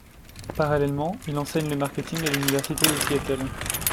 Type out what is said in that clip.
Parallèlement, il enseigne le marketing à l’Université de Seattle.